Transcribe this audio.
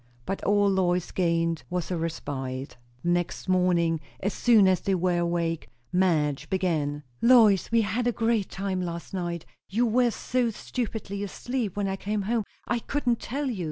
But all Lois had gained was a respite. The next morning, as soon as they were awake, Madge began. "Lois, we had a grand time last night! You were so stupidly asleep when I came home, I couldn't tell you.